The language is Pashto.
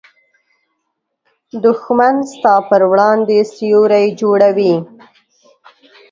دښمن ستا پر وړاندې سیوری جوړوي